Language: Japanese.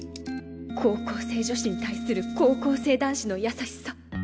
高校生女子に対する高校生男子の優しさ。